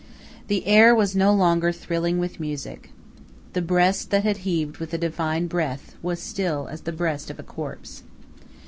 The air was no longer thrilling with music. The breast that had heaved with a divine breath was still as the breast of a corpse.